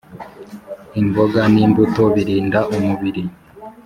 imboga n’imbuto birinda umubiri